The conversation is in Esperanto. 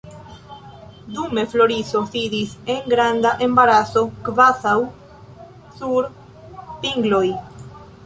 Dume Floriso sidis en granda embaraso, kvazaŭ sur pingloj.